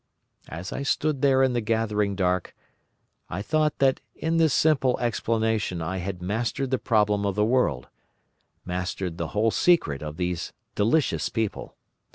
"As I stood there in the gathering dark I thought that in this simple explanation I had mastered the problem of the world—mastered the whole secret of these delicious people.